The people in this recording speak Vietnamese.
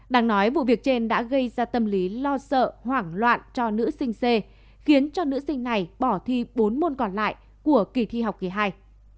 đáng nói vụ việc trên đã gây ra tâm lý lo sợ hoảng loạn cho nữ sinh c khiến cho nữ sinh này bỏ thi bốn môn còn lại của kỳ thi học kỳ hai